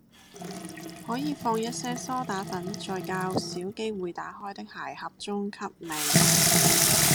可以放一些蘇打粉在較少機會打開的鞋盒中吸味